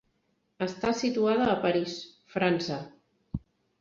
Està situada a París, França.